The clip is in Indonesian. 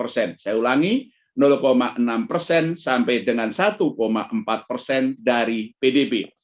saya ulangi enam persen sampai dengan satu empat persen dari pdb